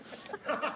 ハハハハ！